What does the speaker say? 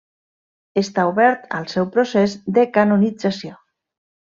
Està obert el seu procés de canonització.